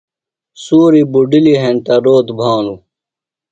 سُوریۡ بُڈلِیۡ ہنتہ روت بھانوۡ۔